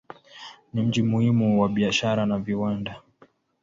Ni mji muhimu wa biashara na viwanda.